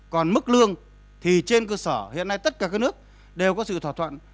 còn mức lương thì trên cơ sở hiện nay tất cả các nước đều có sự thỏa thuận